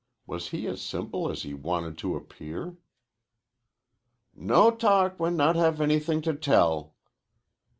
Was he as simple as he wanted to appear? "No talk when not have anything to tell."